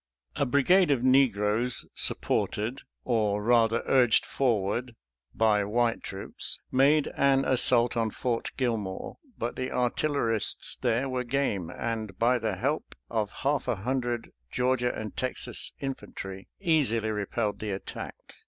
A brigade of negroes, supported — or, rather, urged forward — ^by white troops, made an as sault on Fort Gilmore, but the artillerists there were game, and, by the help of half a hundred Georgia and Texas infantry, easily repelled the attack.